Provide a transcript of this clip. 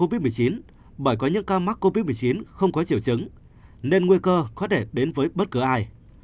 bởi có những ca mắc covid một mươi chín không có chiều chứng nên nguy cơ có thể đến với bất cứ ai